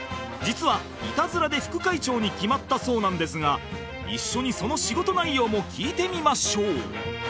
実はいたずらで副会長に決まったそうなんですが一緒にその仕事内容も聞いてみましょう